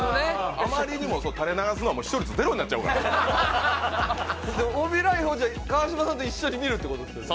あまりにも垂れ流すのは視聴率ゼロになっちゃうから「帯らいふ」を川島さんと一緒に見るってことですよね